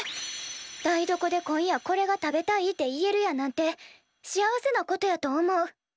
台所で今夜これが食べたいて言えるやなんて幸せなことやと思う。